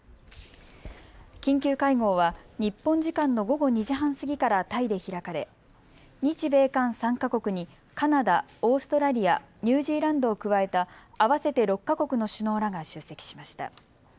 緊急会合は日本時間の午後２時半過ぎからタイで開かれ日米韓３か国にカナダ、オーストラリア、ニュージーランドを加えた合わせて６か国の首脳らが出席しました。